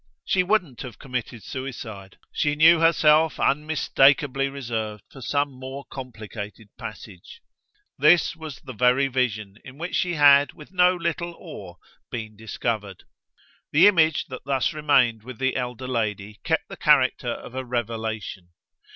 She wouldn't have committed suicide; she knew herself unmistakeably reserved for some more complicated passage; this was the very vision in which she had, with no little awe, been discovered. The image that thus remained with the elder lady kept the character of a revelation.